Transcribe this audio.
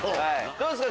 どうですか？